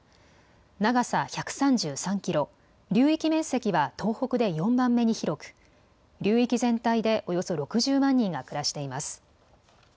長さ１３３キロ、流域面積は東北で４番目に広く流域全体でおよそ６０万人が暮らしています。